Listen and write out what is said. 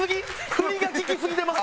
振りが利きすぎてます！